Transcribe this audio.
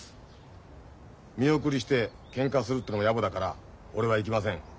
見送りしてけんかするってのもやぼだから俺は行きません。